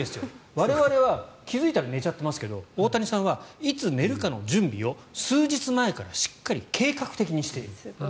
我々は気付いたら寝ちゃってますけど大谷さんは、いつ寝るかの準備を数日前からしっかり計画的にしている。